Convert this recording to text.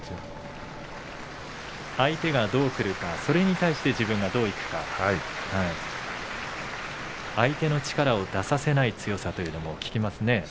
相手がどうくるかそれに対して自分がどういくか相手の力を出させない強さというのも聞きますね。